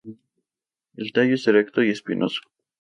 El tallo es erecto y espinoso.